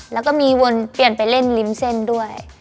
แล้วก็มีวนเปลี่ยนไปเล่นริมเส้นด้วย